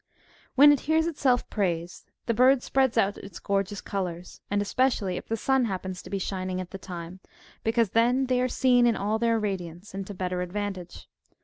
When it hears itself praised, this bird spreads out its gor geous colours, and especially if the sun happens to be shining at the time, because then they are seen in all their radiance, and to better advantage.